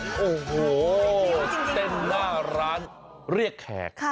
โอ้โหเต้นหน้าร้านเรียกแขก